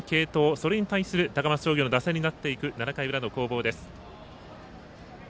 それに対する高松商業の打線になっていく７回の裏の攻防です。